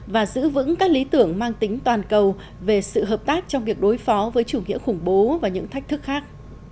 và giữ vững các lý tưởng mang tính toàn cầu về sự hợp tác trong việc đối phó với chủ nghĩa khủng bố và những thách thức khác